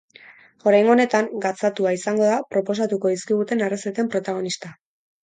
Oraingo honetan, gatzatua izango da proposatuko dizkiguten errezeten protagonista.